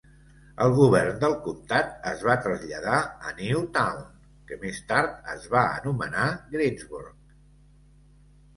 El govern del comtat es va traslladar a Newtown, que més tard es va anomenar Greensburg.